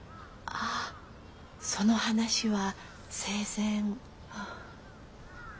あっその話は生前。